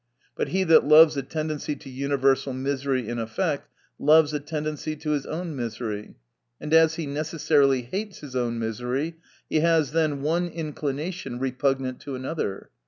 But he that loves a tendency to universal misery, in effect loves a tendency to his own misery, and as he necessarily hates his own misery, he has then one in clination repugnant to another.